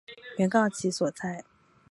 原告其所在！